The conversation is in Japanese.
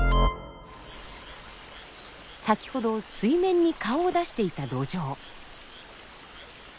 先ほど水面に顔を出していたドジョウ。